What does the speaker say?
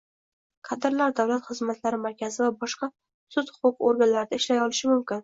Kadrlar Davlat xizmatlari markazi va boshqa sud-huquq organlarida ishlay olishi mumkin...